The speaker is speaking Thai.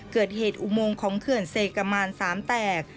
เกิดเหตุอุโมงของเขื่อนเสกมาน๓แตก